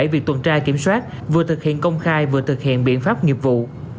việc tuần tra kiểm soát vừa thực hiện công khai vừa thực hiện biện pháp nghiệp vụ